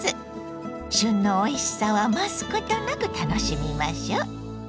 旬のおいしさを余すことなく楽しみましょ。